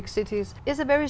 như tôi đã nói